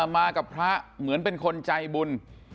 มากับพระเหมือนเป็นคนใจบุญ